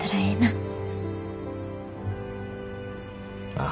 ああ。